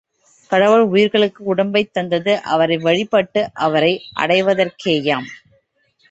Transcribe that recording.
கடவுள் உயிர்கட்கு உடம்பைத் தந்தது அவரை வழிபட்டு அவரை அடைவதற்கேயாம்.